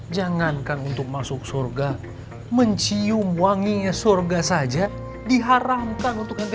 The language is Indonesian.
jangankan untuk masuk surga mencium wanginya surga saja diharamkan untuk nanti